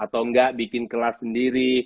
atau enggak bikin kelas sendiri